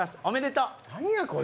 おめでとう！